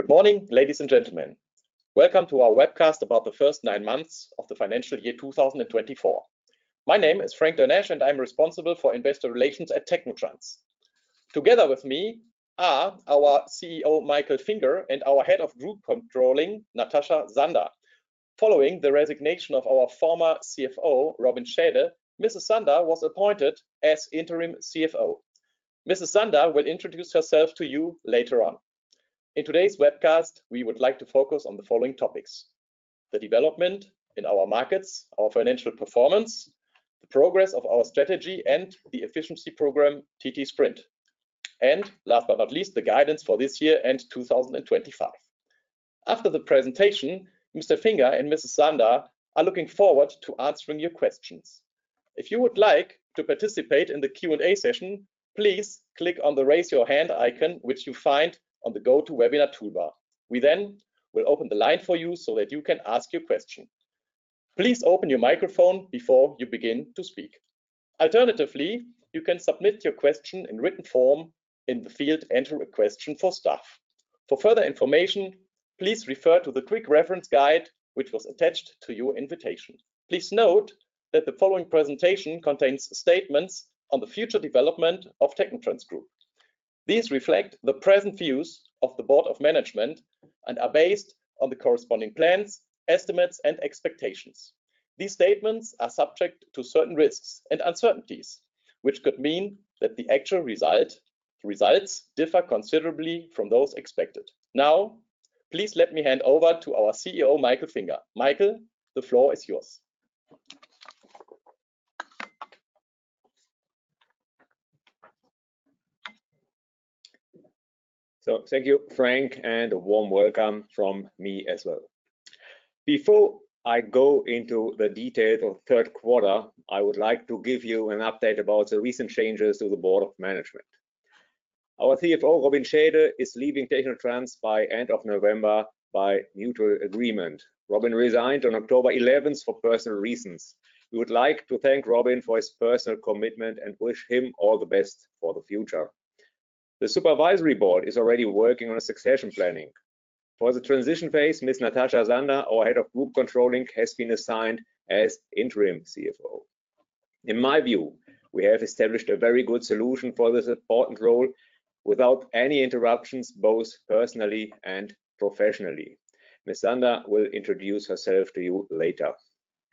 Good morning, ladies and gentlemen. Welcome to our webcast about the first nine months of the financial year 2024. My name is Frank Dernesch, and I'm responsible for investor relations at technotrans. Together with me are our CEO, Michael Finger, and our Head of Group Controlling, Natascha Sander. Following the resignation of our former CFO, Robin Schaede, Mrs. Sander was appointed as interim CFO. Mrs. Sander will introduce herself to you later on. In today's webcast, we would like to focus on the following topics: the development in our markets, our financial performance, the progress of our strategy, and the efficiency program ttSprint and, last but not least, the guidance for this year and 2025. After the presentation, Mr. Finger and Mrs. Sander are looking forward to answering your questions. If you would like to participate in the Q&A session, please click on the Raise Your Hand icon, which you find on the GoToWebinar toolbar. We will open the line for you so that you can ask your question. Please open your microphone before you begin to speak. Alternatively, you can submit your question in written form in the field Enter a Question for Staff. For further information, please refer to the quick reference guide, which was attached to your invitation. Please note that the following presentation contains statements on the future development of technotrans Group. These reflect the present views of the board of management and are based on the corresponding plans, estimates, and expectations. These statements are subject to certain risks and uncertainties, which could mean that the actual results differ considerably from those expected. Please let me hand over to our CEO, Michael Finger. Michael, the floor is yours. Thank you, Frank, and a warm welcome from me as well. Before I go into the details of third quarter, I would like to give you an update about the recent changes to the board of management. Our CFO, Robin Schaede, is leaving technotrans by end of November by mutual agreement. Robin resigned on October 11th for personal reasons. We would like to thank Robin for his personal commitment and wish him all the best for the future. The supervisory board is already working on a succession planning. For the transition phase, Mrs. Natascha Sander, our Head of Group Controlling, has been assigned as interim CFO. In my view, we have established a very good solution for this important role without any interruptions, both personally and professionally. Ms. Sander will introduce herself to you later.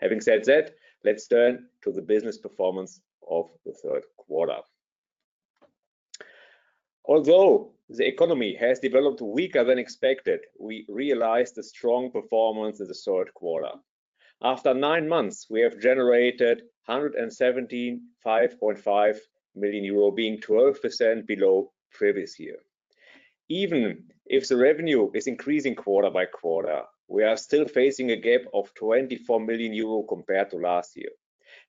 Having said that, let's turn to the business performance of the third quarter. Although the economy has developed weaker than expected, we realized a strong performance in the third quarter. After nine months, we have generated 175.5 million euro, being 12% below previous year. Even if the revenue is increasing quarter by quarter, we are still facing a gap of 24 million euro compared to last year.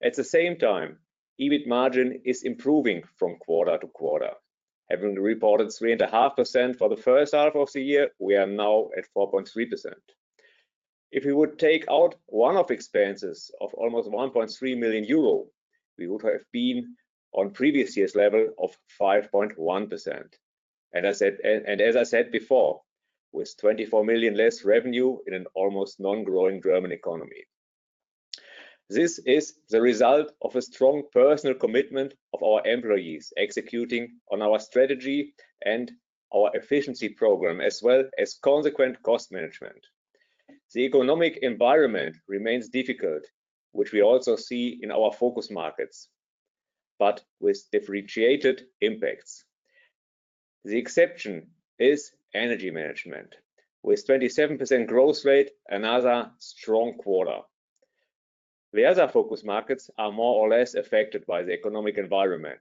At the same time, EBIT margin is improving from quarter to quarter. Having reported 3.5% for the first half of the year, we are now at 4.3%. If you would take out one-off expenses of almost 1.3 million euro, we would have been on previous year's level of 5.1%, and as I said before, with 24 million less revenue in an almost non-growing German economy. This is the result of a strong personal commitment of our employees, executing on our strategy and our efficiency program, as well as consequent cost management. The economic environment remains difficult, which we also see in our focus markets, but with differentiated impacts. The exception is Energy Management. With 27% growth rate, another strong quarter. The other focus markets are more or less affected by the economic environment.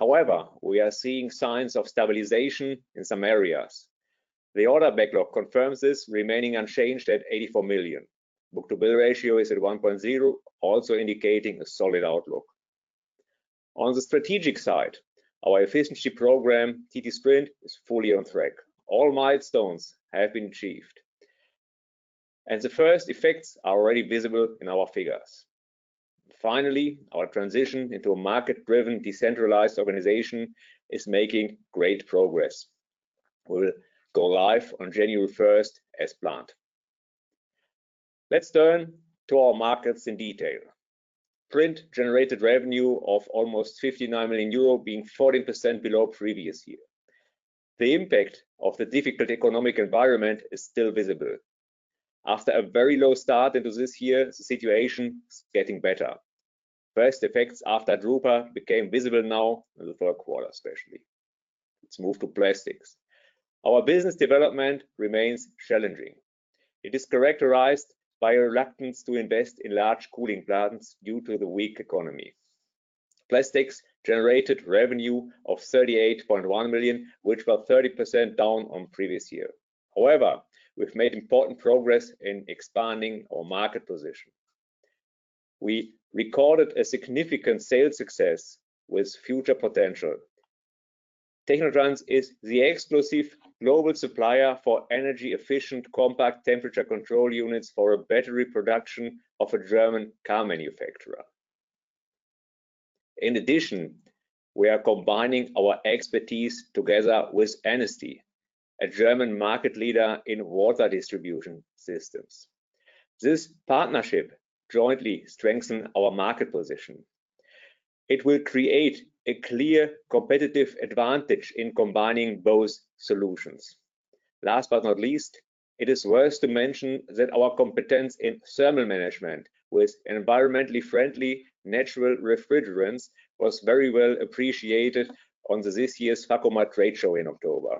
We are seeing signs of stabilization in some areas. The order backlog confirms this, remaining unchanged at 84 million. Book-to-bill ratio is at 1.0x, also indicating a solid outlook. On the strategic side, our efficiency program, ttSprint, is fully on track. All milestones have been achieved, the first effects are already visible in our figures. Our transition into a market-driven, decentralized organization is making great progress. We'll go live on January first as planned. Let's turn to our markets in detail. Print generated revenue of almost 59 million euro, being 14% below previous year. The impact of the difficult economic environment is still visible. After a very low start into this year, the situation is getting better. First effects after Drupa became visible now in the third quarter, especially. Let's move to Plastics. Our business development remains challenging. It is characterized by a reluctance to invest in large cooling plants due to the weak economy. Plastics generated revenue of 38.1 million, which was 30% down on previous year. However, we've made important progress in expanding our market position. We recorded a significant sales success with future potential. technotrans is the exclusive global supplier for energy-efficient, compact, temperature-control units for a battery production of a German car manufacturer. In addition, we are combining our expertise together with Enesty, a German market leader in water distribution systems. This partnership jointly strengthen our market position. It will create a clear competitive advantage in combining both solutions. Last but not least, it is worth to mention that our competence in thermal management with environmentally friendly natural refrigerants was very well appreciated on this year's Fakuma Trade Show in October.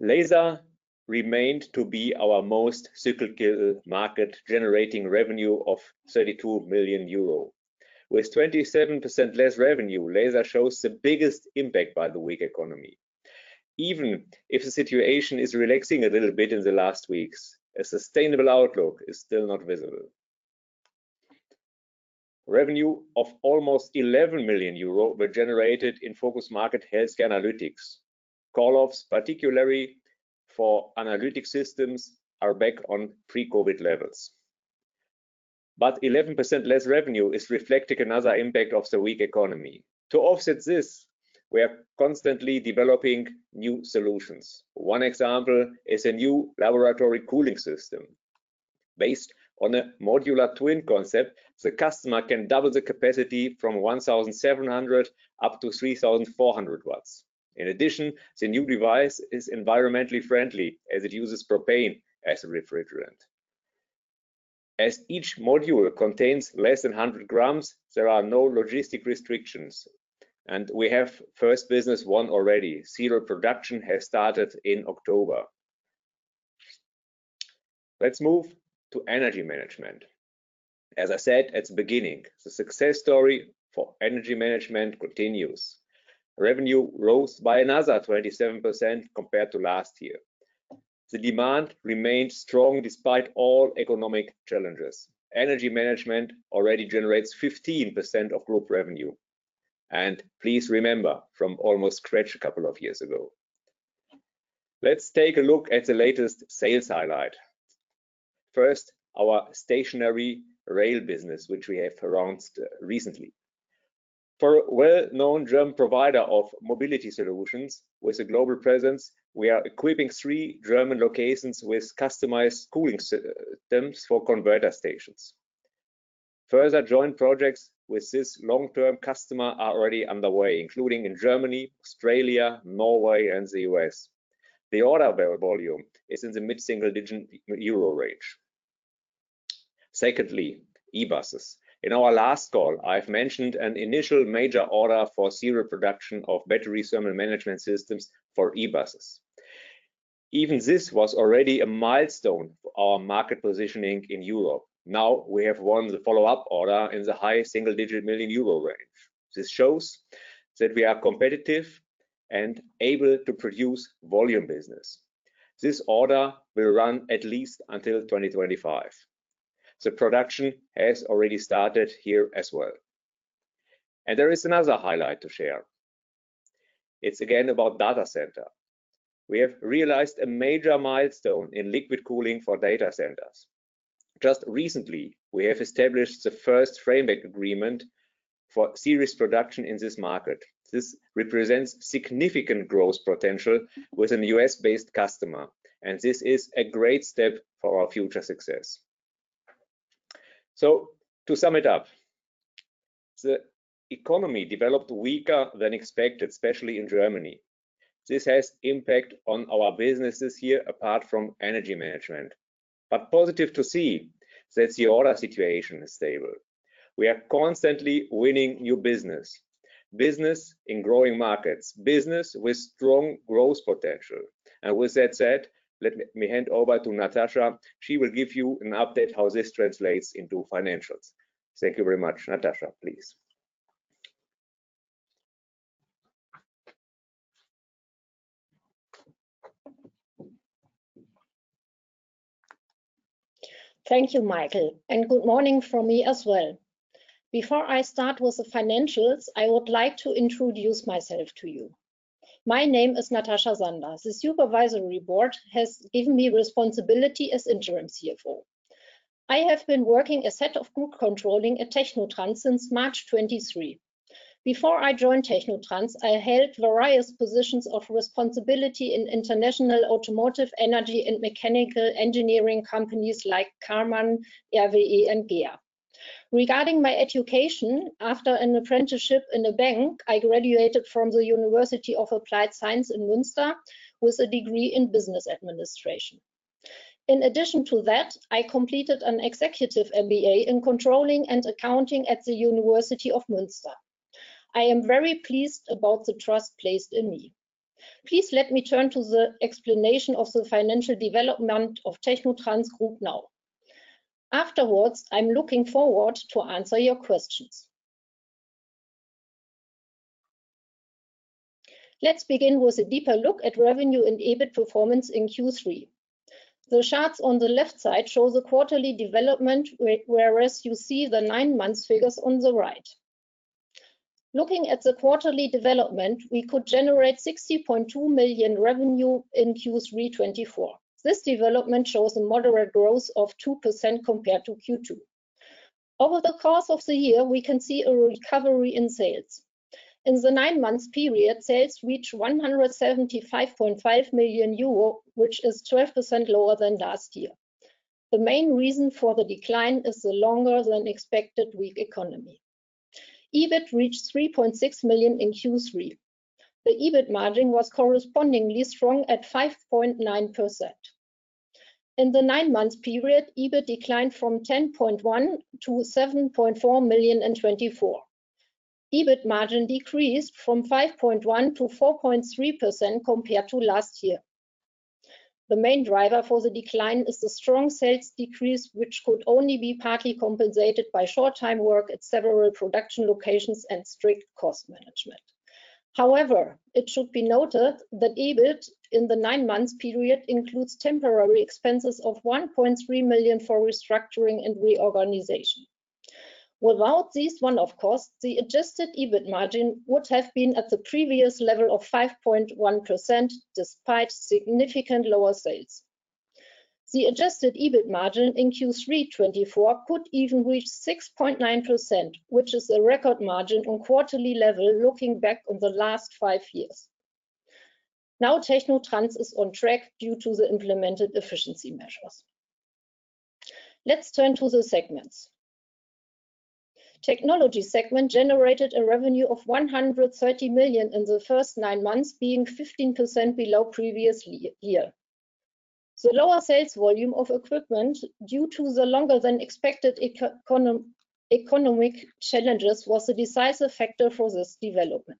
Laser remained to be our most cyclical market, generating revenue of 32 million euro. With 27% less revenue, Laser shows the biggest impact by the weak economy. Even if the situation is relaxing a little bit in the last weeks, a sustainable outlook is still not visible. Revenue of almost 11 million euro were generated in focus market health care analytics. Call-offs, particularly for analytic systems, are back on pre-COVID levels. 11% less revenue is reflecting another impact of the weak economy. To offset this, we are constantly developing new solutions. One example is a new laboratory cooling system. Based on a modular twin concept, the customer can double the capacity from 1,700 up to 3,400 watts. In addition, the new device is environmentally friendly as it uses propane as a refrigerant. As each module contains less than 100 grams, there are no logistic restrictions, and we have first business won already. Serial production has started in October. Let's move to Energy Management. As I said at the beginning, the success story for Energy Management continues. Revenue rose by another 27% compared to last year. The demand remains strong despite all economic challenges. Energy Management already generates 15% of Group revenue, and please remember, from almost scratch a couple of years ago. Let's take a look at the latest sales highlight. First, our stationary rail business, which we have announced recently. For a well-known German provider of mobility solutions with a global presence, we are equipping three German locations with customized cooling systems for converter stations. Further joint projects with this long-term customer are already underway, including in Germany, Australia, Norway, and the U.S. The order volume is in the mid-single-digit euro range. Secondly, e-buses. In our last call, I've mentioned an initial major order for serial production of battery thermal management systems for e-buses. Even this was already a milestone for our market positioning in Europe. Now we have won the follow-up order in the high single-digit million euro range. This shows that we are competitive and able to produce volume business. This order will run at least until 2025. The production has already started here as well. There is another highlight to share. It's again about data center. We have realized a major milestone in liquid cooling for data centers. Just recently, we have established the first framework agreement for series production in this market. This represents significant growth potential with a U.S.-based customer, and this is a great step for our future success. To sum it up, the economy developed weaker than expected, especially in Germany. This has impact on our businesses here, apart from Energy Management. Positive to see that the order situation is stable. We are constantly winning new business in growing markets, business with strong growth potential. With that said, let me hand over to Natascha. She will give you an update how this translates into financials. Thank you very much. Natascha, please. Thank you, Michael, and good morning from me as well. Before I start with the financials, I would like to introduce myself to you. My name is Natascha Sander. The supervisory board has given me responsibility as interim CFO. I have been working as Head of Group Controlling at technotrans since March 2023. Before I joined technotrans, I held various positions of responsibility in international automotive, energy, and mechanical engineering companies like HÖRMANN, RWE, and GEA. Regarding my education, after an apprenticeship in a bank, I graduated from the University of Applied Sciences in Münster with a degree in business administration. In addition to that, I completed an executive MBA in controlling and accounting at the University of Münster. I am very pleased about the trust placed in me. Please let me turn to the explanation of the financial development of technotrans Group now. Afterwards, I'm looking forward to answer your questions. Let's begin with a deeper look at revenue and EBIT performance in Q3. The charts on the left side show the quarterly development, whereas you see the nine-month figures on the right. Looking at the quarterly development, we could generate 60.2 million revenue in Q3 2024. This development shows a moderate growth of 2% compared to Q2. Over the course of the year, we can see a recovery in sales. In the nine-month period, sales reach 175.5 million euro, which is 12% lower than last year. The main reason for the decline is the longer than expected weak economy. EBIT reached 3.6 million in Q3. The EBIT margin was correspondingly strong at 5.9%. In the nine months period, EBIT declined from 10.1 million to 7.4 million in 2024. EBIT margin decreased from 5.1% to 4.3% compared to last year. The main driver for the decline is the strong sales decrease, which could only be partly compensated by short-time work at several production locations and strict cost management. It should be noted that EBIT in the nine months period includes temporary expenses of 1.3 million for restructuring and reorganization. Without this one-off cost, the adjusted EBIT margin would have been at the previous level of 5.1% despite significant lower sales. The adjusted EBIT margin in Q3 2024 could even reach 6.9%, which is a record margin on quarterly level looking back over the last five years. Now, technotrans is on track due to the implemented efficiency measures. Let's turn to the segments. Technology segment generated a revenue of 130 million in the first nine months, being 15% below previous year. The lower sales volume of equipment due to the longer than expected economic challenges was a decisive factor for this development.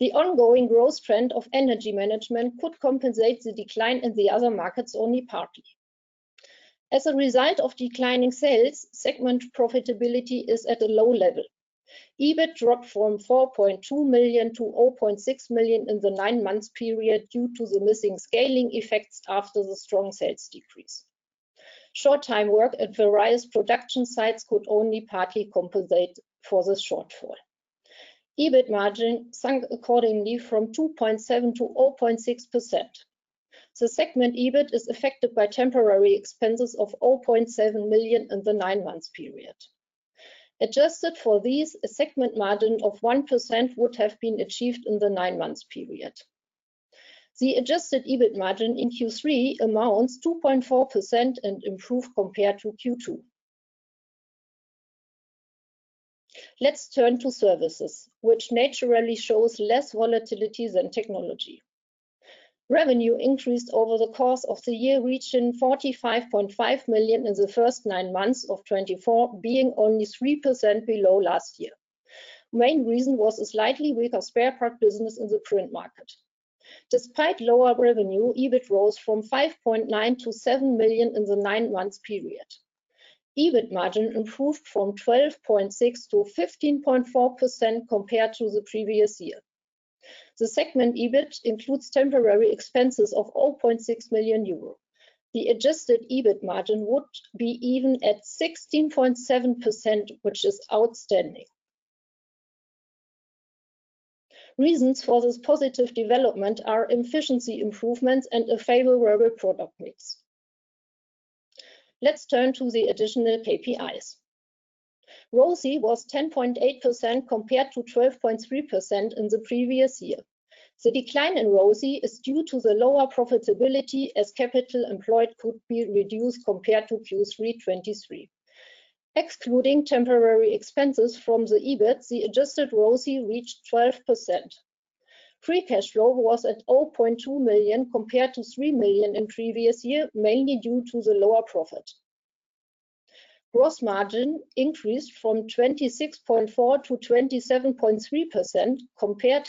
The ongoing growth trend of Energy Management could compensate the decline in the other markets only partly. As a result of declining sales, segment profitability is at a low level. EBIT dropped from 4.2 million to 0.6 million in the nine months period due to the missing scaling effects after the strong sales decrease. Short-time work at various production sites could only partly compensate for the shortfall. EBIT margin sank accordingly from 2.7% to 0.6%. The segment EBIT is affected by temporary expenses of 0.7 million in the nine months period. Adjusted for these, a segment margin of 1% would have been achieved in the nine months period. The adjusted EBIT margin in Q3 amounts 2.4% and improved compared to Q2. Let's turn to services, which naturally shows less volatility than technology. Revenue increased over the course of the year, reaching 45.5 million in the first nine months of 2024, being only 3% below last year. Main reason was a slightly weaker spare part business in the print market. Despite lower revenue, EBIT rose from 5.9 million to 7 million in the nine months period. EBIT margin improved from 12.6% to 15.4% compared to the previous year. The segment EBIT includes temporary expenses of 0.6 million euros. The adjusted EBIT margin would be even at 16.7%, which is outstanding. Reasons for this positive development are efficiency improvements and a favorable product mix. Let's turn to the additional KPIs. ROCE was 10.8% compared to 12.3% in the previous year. The decline in ROCE is due to the lower profitability as capital employed could be reduced compared to Q3 2023. Excluding temporary expenses from the EBIT, the adjusted ROCE reached 12%. Free cash flow was at 0.2 million compared to 3 million in previous year, mainly due to the lower profit. Gross margin increased from 26.4% to 27.3% compared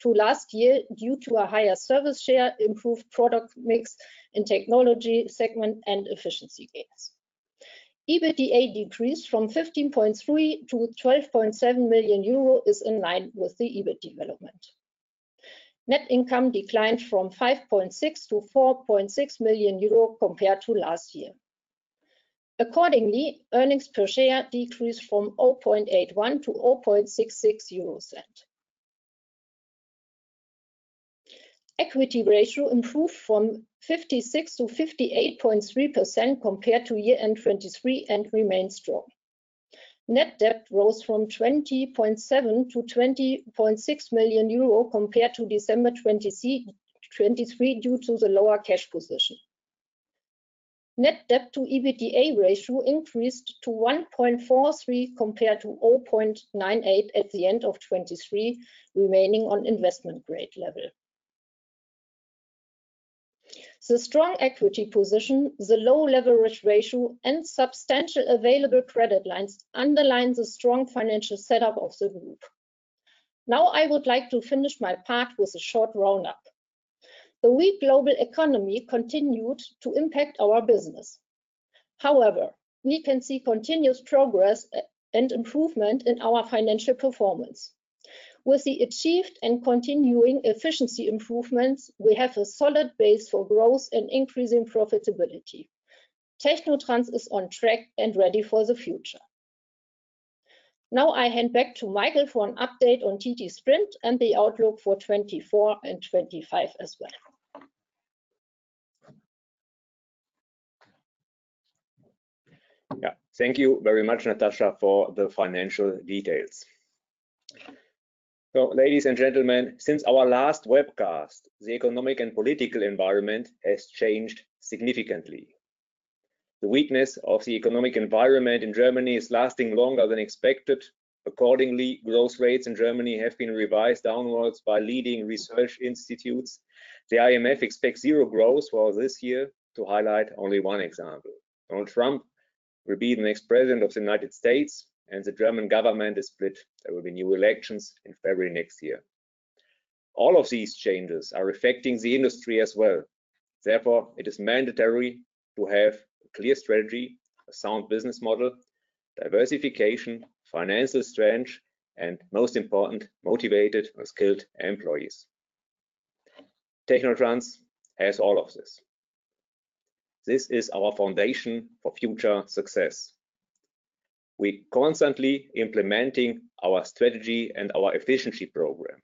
to last year due to a higher service share, improved product mix in technology segment, and efficiency gains. EBITDA decreased from 15.3 million to 12.7 million euro is in line with the EBIT development. Net income declined from 5.6 million to 4.6 million euro compared to last year. Accordingly, earnings per share decreased from 0.0081 to 0.0066. Equity ratio improved from 56% to 58.3% compared to year-end 2023 and remains strong. Net debt rose from 20.7 million to 20.6 million euro compared to December 2023 due to the lower cash position. Net debt to EBITDA ratio increased to 1.43x compared to 0.98x at the end of 2023, remaining on investment grade level. The strong equity position, the low leverage ratio, and substantial available credit lines underline the strong financial setup of the group. I would like to finish my part with a short roundup. The weak global economy continued to impact our business. However, we can see continuous progress and improvement in our financial performance. With the achieved and continuing efficiency improvements, we have a solid base for growth and increasing profitability. technotrans is on track and ready for the future. I hand back to Michael for an update on ttSprint and the outlook for 2024 and 2025 as well. Yeah. Thank you very much, Natascha, for the financial details. Ladies and gentlemen, since our last webcast, the economic and political environment has changed significantly. The weakness of the economic environment in Germany is lasting longer than expected. Accordingly, growth rates in Germany have been revised downwards by leading research institutes. The IMF expects zero growth for this year, to highlight only one example. Donald Trump will be the next President of the United States and the German government is split. There will be new elections in February next year. All of these changes are affecting the industry as well. Therefore, it is mandatory to have a clear strategy, a sound business model, diversification, financial strength, and most important, motivated and skilled employees. technotrans has all of this. This is our foundation for future success. We constantly implementing our strategy and our efficiency program.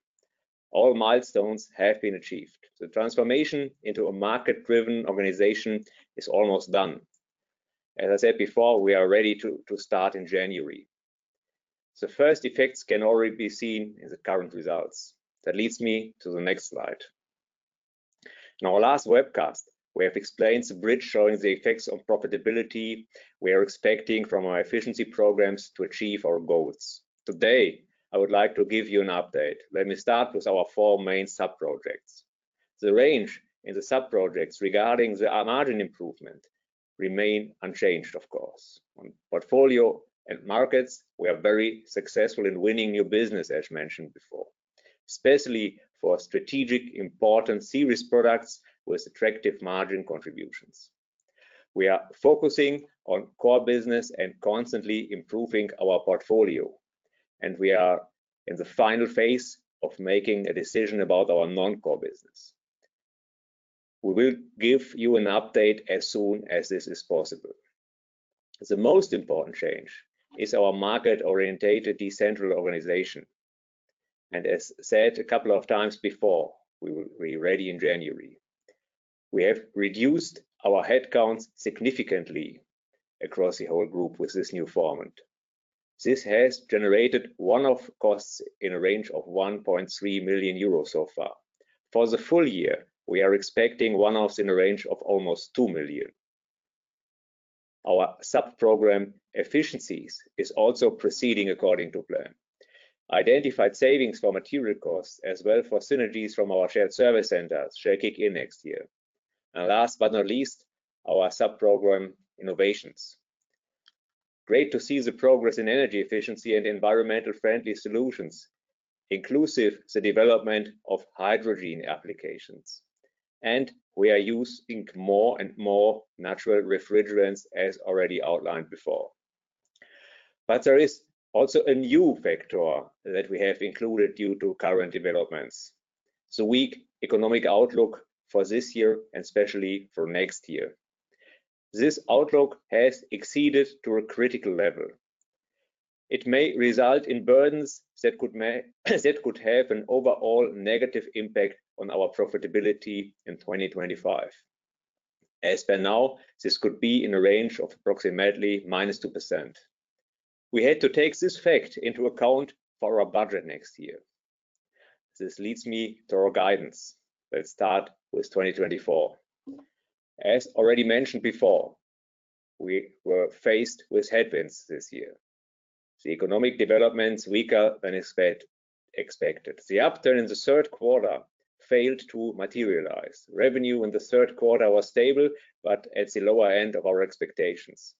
All milestones have been achieved. The transformation into a market-driven organization is almost done. As I said before, we are ready to start in January. The first effects can already be seen in the current results. That leads me to the next slide. In our last webcast, we have explained the bridge showing the effects on profitability we are expecting from our efficiency programs to achieve our goals. Today, I would like to give you an update. Let me start with our four main sub-projects. The range in the sub-projects regarding our margin improvement remain unchanged of course. On portfolio and markets, we are very successful in winning new business, as mentioned before, especially for strategic important series products with attractive margin contributions. We are focusing on core business and constantly improving our portfolio, and we are in the final phase of making a decision about our non-core business. We will give you an update as soon as this is possible. The most important change is our market-oriented decentral organization. As said a couple of times before, we will be ready in January. We have reduced our headcounts significantly across the whole group with this new format. This has generated one-off costs in a range of 1.3 million euros so far. For the full year, we are expecting one-offs in a range of almost 2 million. Our sub-program efficiencies is also proceeding according to plan. Identified savings for material costs as well for synergies from our shared service centers shall kick in next year. Last but not least, our sub-program innovations. Great to see the progress in energy efficiency and environmental friendly solutions, inclusive the development of hydrogen applications, and we are using more and more natural refrigerants as already outlined before. There is also a new factor that we have included due to current developments, the weak economic outlook for 2024 and especially for 2025. This outlook has exceeded to a critical level. It may result in burdens that could have an overall negative impact on our profitability in 2025. As for now, this could be in a range of approximately -2%. We had to take this fact into account for our budget 2025. This leads me to our guidance. Let's start with 2024. As already mentioned before, we were faced with headwinds 2024, the economic developments weaker than expected. The upturn in the third quarter failed to materialize. Revenue in the third quarter was stable, but at the lower end of our expectations.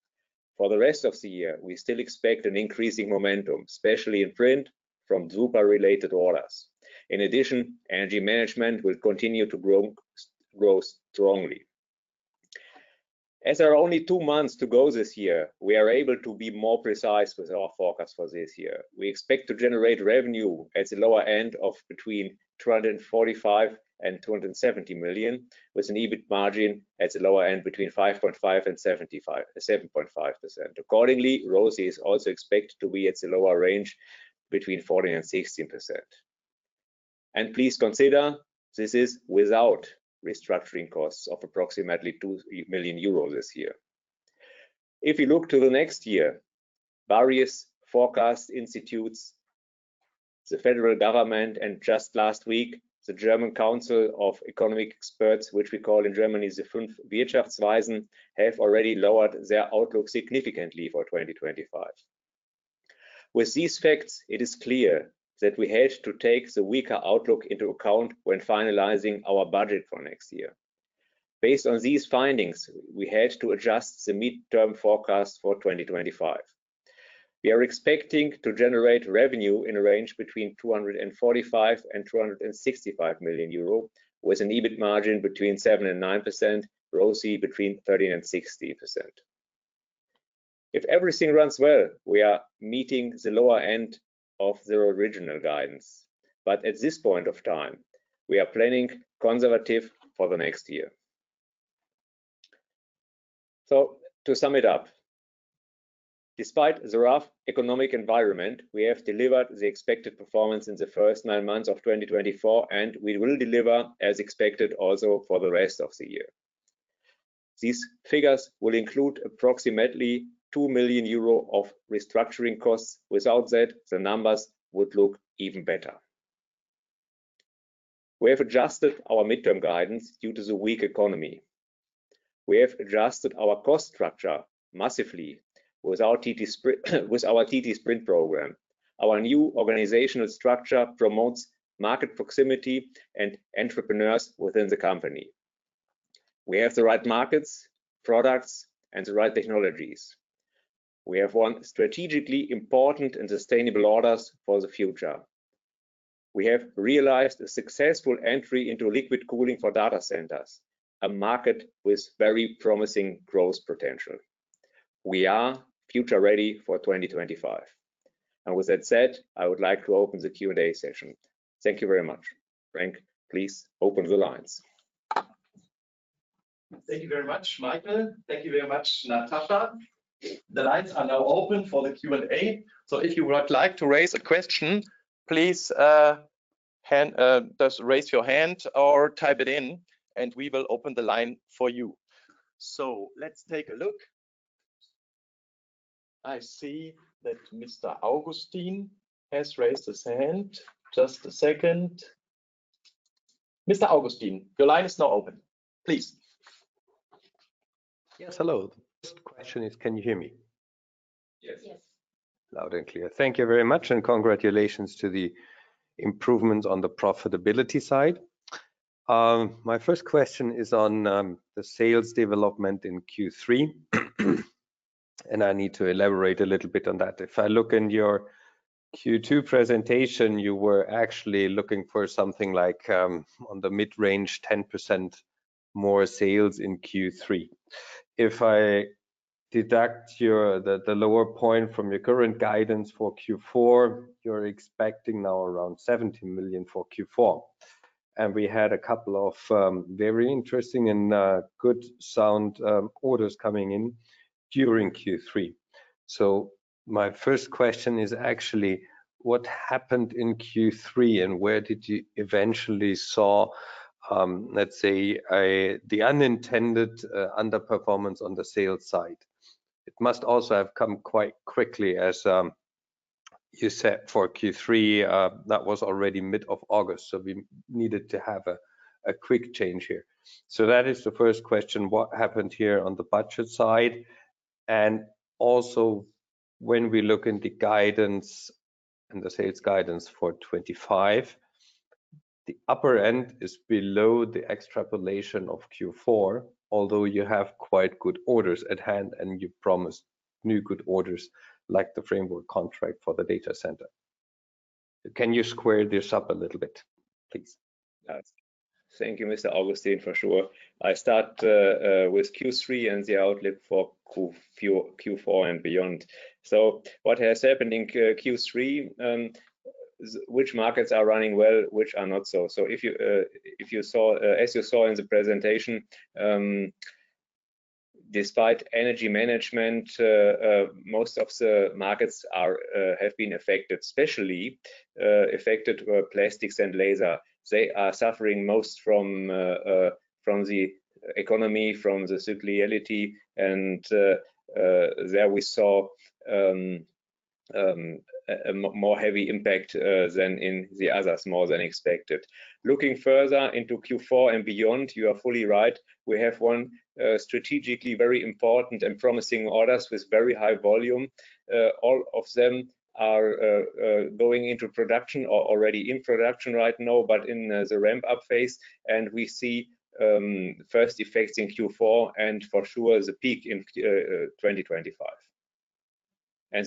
For the rest of the year, we still expect an increasing momentum, especially in print from Drupa-related orders. Energy Management will continue to grow strongly. As there are only two months to go this year, we are able to be more precise with our forecast for this year. We expect to generate revenue at the lower end of between 245 million and 270 million, with an EBIT margin at the lower end between 5.5% and 7.5%. ROCE is also expected to be at the lower range, between 40% and 60%. Please consider this is without restructuring costs of approximately 2 million euros this year. If you look to the next year, various forecast institutes, the federal government, and just last week, the German Council of Economic Experts, which we call in Germany the Fünf Wirtschaftsweisen, have already lowered their outlook significantly for 2025. With these facts, it is clear that we had to take the weaker outlook into account when finalizing our budget for next year. Based on these findings, we had to adjust the midterm forecast for 2025. We are expecting to generate revenue in a range between 245 million and 265 million euro, with an EBIT margin between 7% and 9%, ROCE between 30% and 60%. If everything runs well, we are meeting the lower end of the original guidance. At this point of time, we are planning conservative for the next year. To sum it up, despite the rough economic environment, we have delivered the expected performance in the first nine months of 2024, and we will deliver as expected also for the rest of the year. These figures will include approximately 2 million euro of restructuring costs. Without that, the numbers would look even better. We have adjusted our midterm guidance due to the weak economy. We have adjusted our cost structure massively with our ttSprint program. Our new organizational structure promotes market proximity and entrepreneurs within the company. We have the right markets, products, and the right technologies. We have won strategically important and sustainable orders for the future. We have realized a successful entry into liquid cooling for data centers, a market with very promising growth potential. We are Future Ready 2025. With that said, I would like to open the Q&A session. Thank you very much. Frank, please open the lines. Thank you very much, Michael. Thank you very much, Natascha. The lines are now open for the Q&A. If you would like to raise a question, please just raise your hand or type it in and we will open the line for you. Let's take a look. I see that Mr. Augustin has raised his hand. Just a second. Mr. Augustin, your line is now open, please. Yes, hello. First question is, can you hear me? Yes. Yes. Loud and clear. Thank you very much, and congratulations to the improvements on the profitability side. My first question is on the sales development in Q3 and I need to elaborate a little bit on that. If I look in your Q2 presentation, you were actually looking for something like on the mid-range, 10% more sales in Q3. If I deduct the lower point from your current guidance for Q4, you're expecting now around 70 million for Q4. We had a couple of very interesting and good sound orders coming in during Q3. My first question is actually what happened in Q3 and where did you eventually saw, let's say the unintended underperformance on the sales side? It must also have come quite quickly as you said for Q3, that was already mid of August, so we needed to have a quick change here. That is the first question. What happened here on the budget side? Also when we look in the guidance, in the sales guidance for 2025, the upper end is below the extrapolation of Q4, although you have quite good orders at hand and you promised new good orders like the framework contract for the data center. Can you square this up a little bit, please? Thank you, Mr. Augustin, for sure. I start with Q3 and the outlook for Q4 and beyond. What has happened in Q3 is which markets are running well, which are not so. If you saw, as you saw in the presentation, despite Energy Management, most of the markets have been affected, especially affected were Plastics and Laser. They are suffering most from the economy, from the cyclicality and there we saw a more heavy impact than in the others, more than expected. Looking further into Q4 and beyond, you are fully right. We have won strategically very important and promising orders with very high volume. All of them are going into production or already in production right now, but in the ramp-up phase and we see first effects in Q4 and for sure the peak in 2025.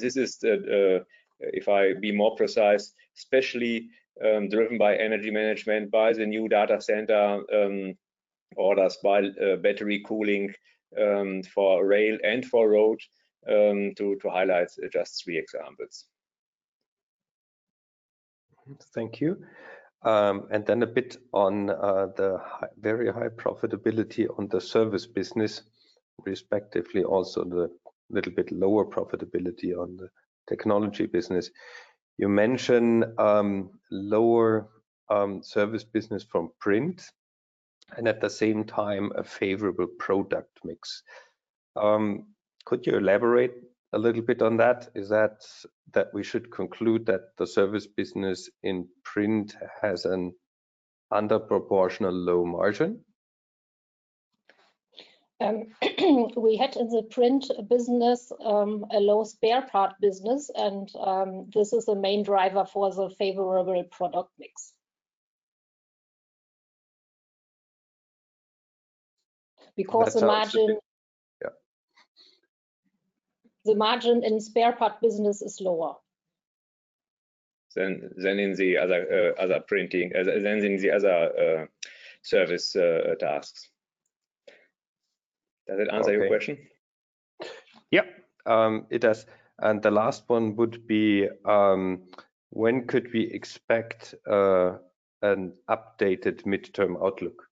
This is the, if I be more precise, especially driven by Energy Management, by the new data center orders, by battery cooling for rail and for road, to highlight just three examples. Thank you. A bit on very high profitability on the service business, respectively also the little bit lower profitability on the technology business. You mention lower service business from print and at the same time a favorable product mix. Could you elaborate a little bit on that? Is that we should conclude that the service business in print has an under proportional low margin? We had in the print business, a low spare part business and, this is the main driver for the favorable product mix. That's how it should be. Yeah... the margin in spare part business is lower. In the other printing then in the other service tasks. Does that answer your question? Okay. Yep, it does. The last one would be, when could we expect an updated midterm outlook?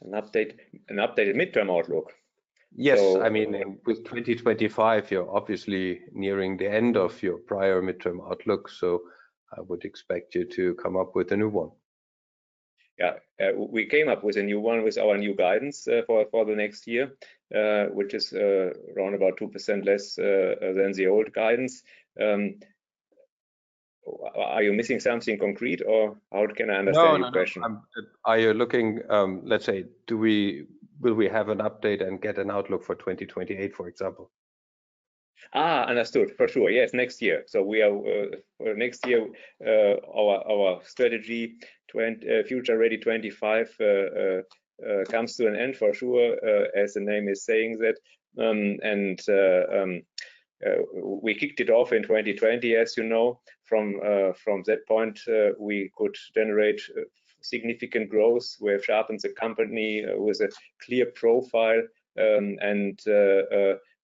An update, an updated midterm outlook? Yes. I mean, with 2025, you're obviously nearing the end of your prior midterm outlook, so I would expect you to come up with a new one. We came up with a new one with our new guidance for the next year, which is around about 2% less than the old guidance. Are you missing something concrete or how can I understand your question? No, no. Are you looking, let's say, will we have an update and get an outlook for 2028, for example? Understood. For sure. Next year. We are next year, our strategy, Future Ready 2025, comes to an end for sure, as the name is saying that. We kicked it off in 2020, as you know. From that point, we could generate significant growth. We have sharpened the company with a clear profile,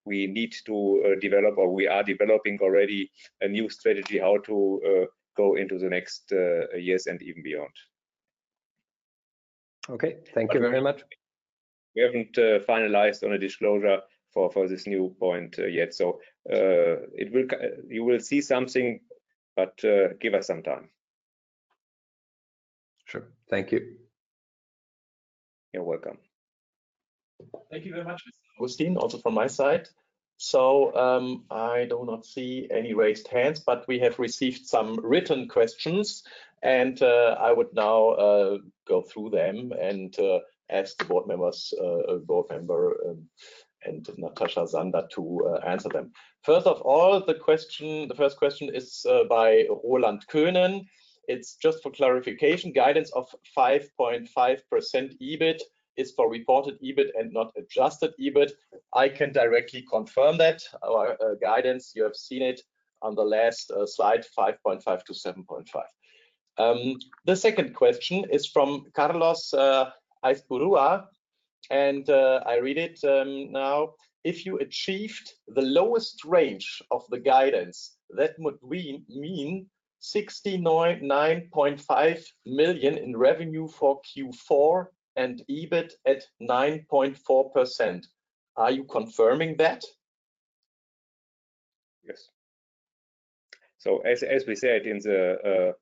we need to develop, or we are developing already a new strategy how to go into the next years and even beyond. Okay. Thank you very much. We haven't finalized on a disclosure for this new point yet. You will see something, but give us some time. Sure. Thank you. You're welcome. Thank you very much, Augustin, also from my side. I do not see any raised hands, but we have received some written questions, and I would now go through them and ask the board members, a board member, and Natascha Sander to answer them. First of all, the first question is by Roland Könen. It's just for clarification, guidance of 5.5% EBIT is for reported EBIT and not adjusted EBIT. I can directly confirm that. Our guidance, you have seen it on the last slide, 5.5%-7.5%. The second question is from Carlos Aizpurua, and I read it now. If you achieved the lowest range of the guidance, that would mean 69.5 million in revenue for Q4 and EBIT at 9.4%. Are you confirming that? Yes. As we said in the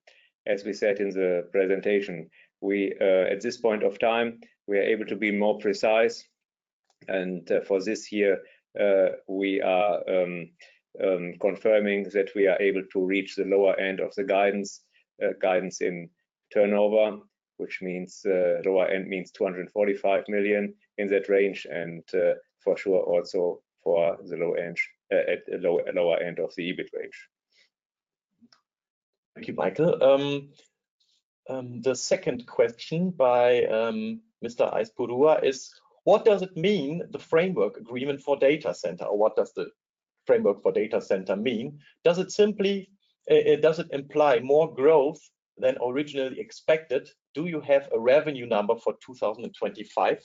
presentation, we, at this point of time, we are able to be more precise. For this year, we are confirming that we are able to reach the lower end of the guidance in turnover, which means lower end means 245 million in that range, and for sure also for the lower end of the EBIT range. Thank you, Michael. The second question by Mr. Aizpurua is, what does it mean the framework agreement for data center? What does the framework for data center mean? Does it simply imply more growth than originally expected? Do you have a revenue number for 2025?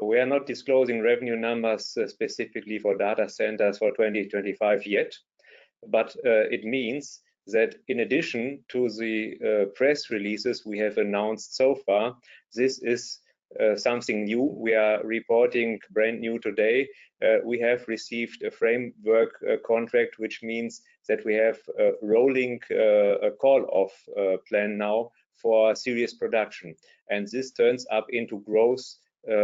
We are not disclosing revenue numbers specifically for data centers for 2025 yet. It means that in addition to the press releases we have announced so far, this is something new. We are reporting brand new today. We have received a framework contract, which means that we have a rolling call-off plan now for serious production. This turns up into growth,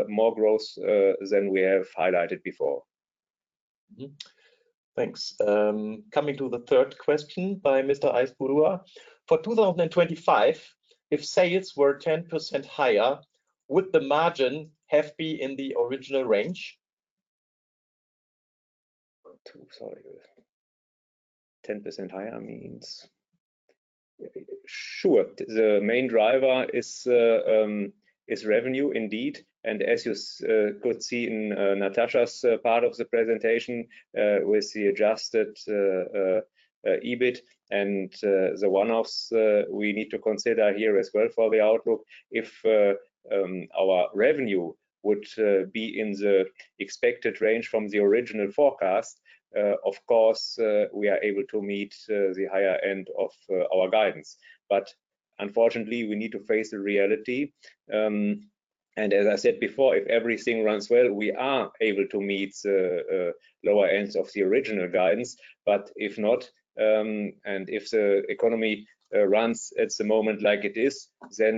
more growth, than we have highlighted before. Thanks. Coming to the third question by Mr. Aizpurua. For 2025, if sales were 10% higher, would the margin have been in the original range? Sorry. 10% higher means. Sure. The main driver is revenue indeed. As you could see in Natascha's part of the presentation, with the adjusted EBIT and the one-offs, we need to consider here as well for the outlook. If our revenue would be in the expected range from the original forecast, of course, we are able to meet the higher end of our guidance. Unfortunately, we need to face the reality. As I said before, if everything runs well, we are able to meet lower ends of the original guidance. If not, and if the economy runs at the moment like it is, then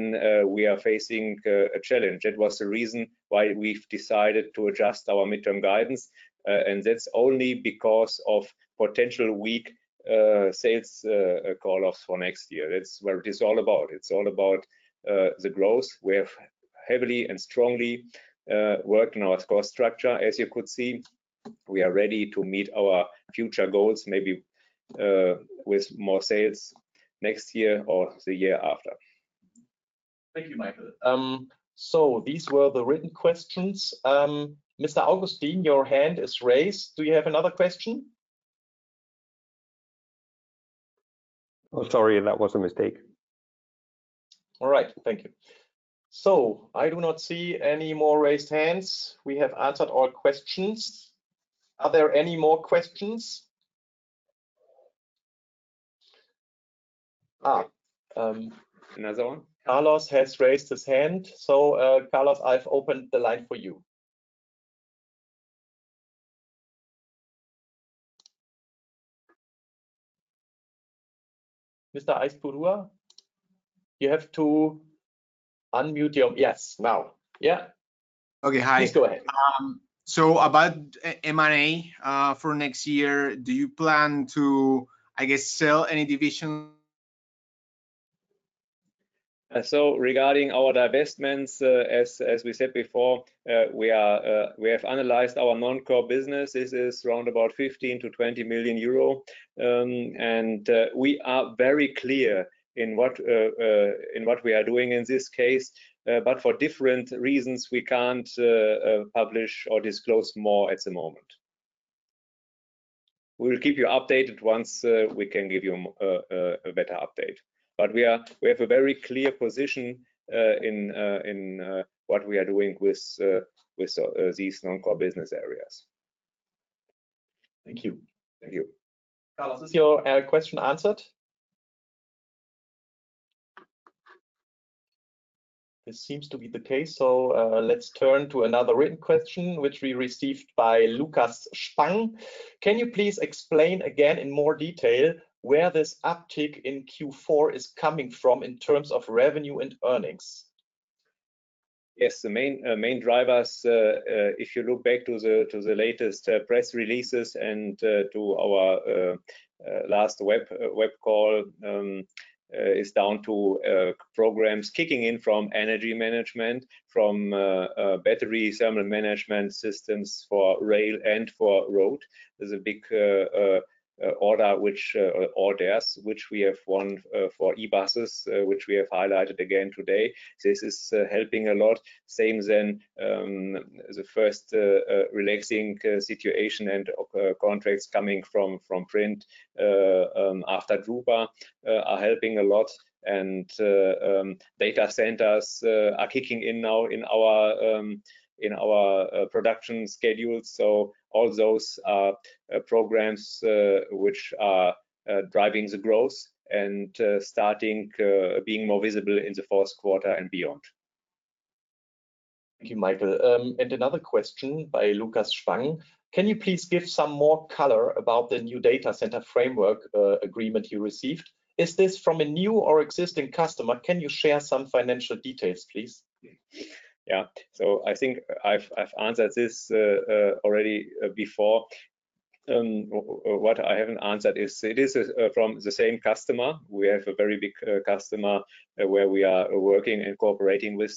we are facing a challenge. That was the reason why we've decided to adjust our midterm guidance. That's only because of potential weak sales call-offs for next year. That's what it is all about. It's all about the growth. We have heavily and strongly worked on our cost structure, as you could see. We are ready to meet our future goals, maybe, with more sales next year or the year after. Thank you, Michael. These were the written questions. Mr. Augustin, your hand is raised. Do you have another question? Oh, sorry, that was a mistake. All right, thank you. I do not see any more raised hands. We have answered all questions. Are there any more questions? Another one. Carlos has raised his hand, so Carlos, I've opened the line for you. Mr. Aizpurua, you have to unmute your. Yes, now. Yeah. Okay. Hi. Please go ahead. About M&A for next year, do you plan to sell any division? Regarding our divestments, as we said before, we have analyzed our non-core business. This is around about 15 million-20 million euro. We are very clear in what, in what we are doing in this case, but for different reasons, we can't publish or disclose more at the moment. We'll keep you updated once we can give you a better update. We have a very clear position in what we are doing with these non-core business areas. Thank you. Thank you. Carlos, is your question answered? This seems to be the case. Let's turn to another written question, which we received by Lukas Spang. Can you please explain again in more detail where this uptick in Q4 is coming from in terms of revenue and earnings? Yes. The main main drivers, if you look back to the latest press releases and to our last web call, is down to programs kicking in from Energy Management, from battery thermal management systems for rail and for road. There's a big order which or orders which we have won for e-buses, which we have highlighted again today. This is helping a lot. Same then, the first relaxing situation and of contracts coming from print after Drupa are helping a lot. Data centers are kicking in now in our production schedule. All those programs which are driving the growth and starting being more visible in the fourth quarter and beyond. Thank you, Michael. Another question by Lukas Spang. Can you please give some more color about the new data center framework agreement you received? Is this from a new or existing customer? Can you share some financial details, please? I think I've answered this already before. What I haven't answered is it is from the same customer. We have a very big customer where we are working and cooperating with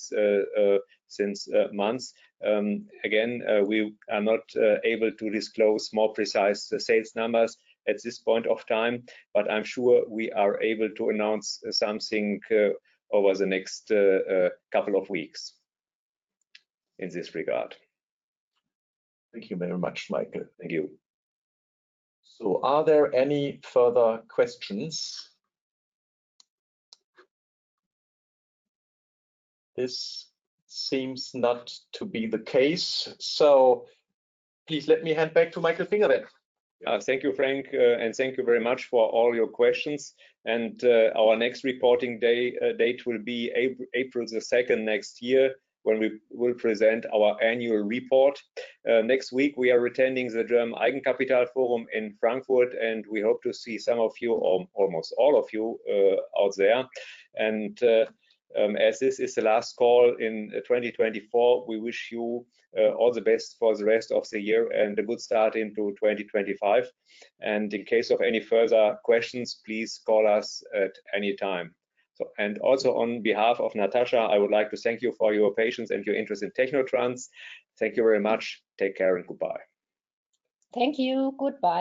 since months. Again, we are not able to disclose more precise sales numbers at this point of time, but I'm sure we are able to announce something over the next couple of weeks in this regard. Thank you very much, Michael. Thank you. Are there any further questions? This seems not to be the case. Please let me hand back to Michael Finger. Thank you, Frank, and thank you very much for all your questions. Our next reporting day, date will be April 2nd next year when we will present our annual report. Next week we are attending the German Deutsches Eigenkapitalforum in Frankfurt, and we hope to see some of you, or almost all of you, out there. As this is the last call in 2024, we wish you all the best for the rest of the year and a good start into 2025. In case of any further questions, please call us at any time. Also on behalf of Natascha, I would like to thank you for your patience and your interest in technotrans. Thank you very much. Take care and goodbye. Thank you. Goodbye.